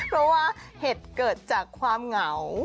เพราะว่าเหตุเกิดจากความเหงา